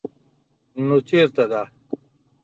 _نو چېرته ده؟